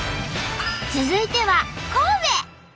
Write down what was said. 続いては神戸。